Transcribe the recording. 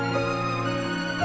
kamu mau ngerti